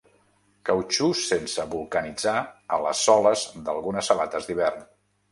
Cautxú sense vulcanitzar a les soles d'algunes sabates d'hivern.